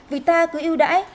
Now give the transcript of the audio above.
vì ta cứ yêu đãi